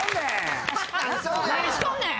何しとんねん！